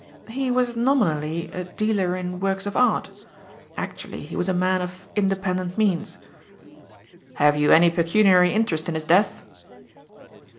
"He was nominally a dealer in works of art. Actually he was a man of independent means." "Have you any pecuniary interest in his death?"